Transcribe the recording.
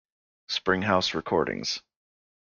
Spring House Recordings.